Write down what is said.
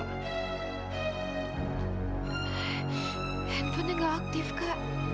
handphone nya enggak aktif kak